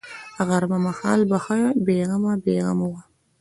غرمه مهال به ښه بې غمه بې غمه وه.